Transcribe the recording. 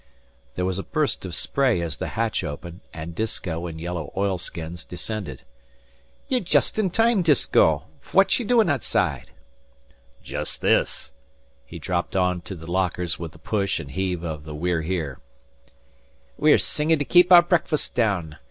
There was a burst of spray as the hatch opened, and Disko, in yellow oilskins, descended. "Ye're just in time, Disko. Fwhat's she doin' outside?" "Jest this!" He dropped on to the lockers with the push and heave of the We're Here. "We're singin' to kape our breakfasts down.